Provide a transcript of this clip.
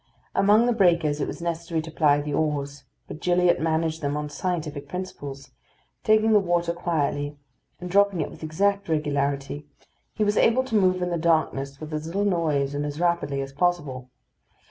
Among the breakers, it was necessary to ply the oars; but Gilliatt managed them on scientific principles; taking the water quietly, and dropping it with exact regularity, he was able to move in the darkness with as little noise and as rapidly as possible.